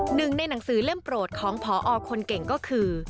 หนึ่งในหนังสือเล่มโปรดของพอคนเก่งก็คือ